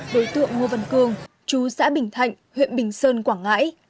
đối tượng ngô văn cương chú xã bình thạnh huyện bình sơn quảng ngãi